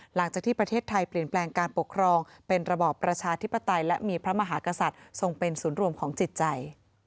หลังจากที่ประเทศไทยเปลี่ยนแปลงการปกครองเป็นระบอบประชาธิปไตยและมีพระมหากษัตริย์ทรงเป็นศูนย์รวมของจิตใจ